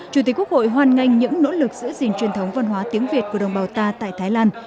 chủ tịch quốc hội hoan nghênh những nỗ lực giữ gìn truyền thống văn hóa tiếng việt của đồng bào ta tại thái lan